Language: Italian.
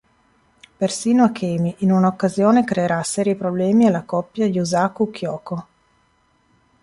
Persino Akemi in una occasione creerà seri problemi alla coppia Yusaku-Kyoko.